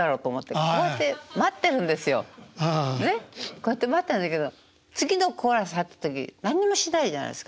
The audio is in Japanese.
こうやって待ってるんだけど次のコーラス入った時何にもしないじゃないですか。